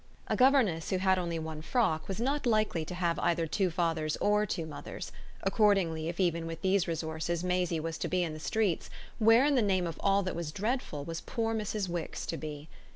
A governess who had only one frock was not likely to have either two fathers or two mothers: accordingly if even with these resources Maisie was to be in the streets, where in the name of all that was dreadful was poor Mrs. Wix to be?